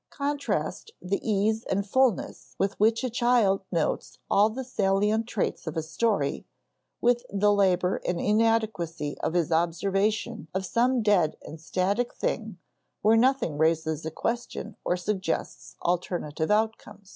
Contrast the ease and fullness with which a child notes all the salient traits of a story, with the labor and inadequacy of his observation of some dead and static thing where nothing raises a question or suggests alternative outcomes.